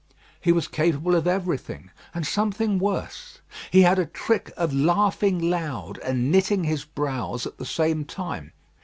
He was capable of everything, and something worse. He had a trick of laughing loud and knitting his brows at the same time.